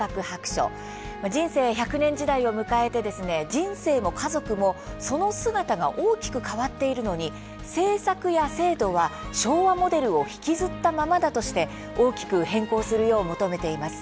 人生１００年時代を迎えて人生も家族も、その姿が大きく変わっているのに政策や制度は、昭和モデルを引きずったままだとして大きく変更するよう求めています。